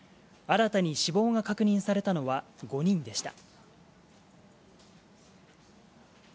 新たに死亡が確認されたのは５人でした。